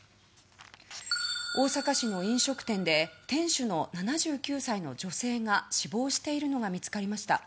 大阪市の飲食店で店主の７９歳の女性が死亡しているのが見つかりました。